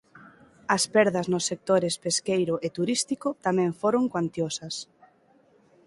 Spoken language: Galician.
As perdas nos sectores pesqueiro e turístico tamén foron cuantiosas.